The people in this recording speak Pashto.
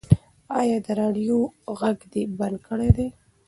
ایا د راډیو غږ دې بند کړی دی؟